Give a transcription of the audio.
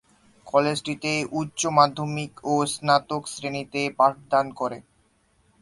কলেজটিতে উচ্চ মাধ্যমিক ও স্নাতক শ্রেণীতে পাঠদান করে।